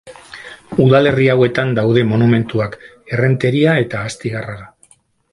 Udalerri hauetan daude monumentuak: Errenteria eta Astigarraga.